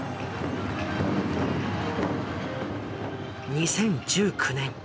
２０１９年。